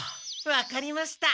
わかりました。